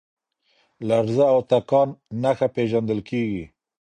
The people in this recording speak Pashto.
لرزه او تکان نښه پېژندل کېږي.